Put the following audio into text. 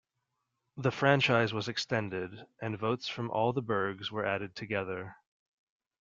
The franchise was extended, and votes from all the burghs were added together.